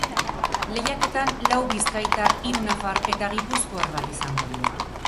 Lehiaketan lau bizkaitar, hiru nafar eta gipuzkoar bat izango dira.